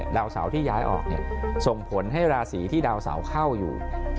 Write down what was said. ดาวเสาที่ย้ายออกส่งผลให้ราศีที่ดาวเสาเข้าอยู่